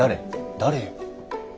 誰よ？